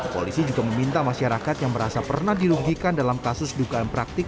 polisi juga meminta masyarakat yang merasa pernah dirugikan dalam kasus dugaan praktik